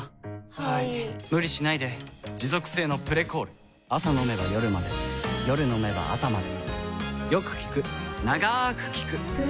はい・・・無理しないで持続性の「プレコール」朝飲めば夜まで夜飲めば朝まで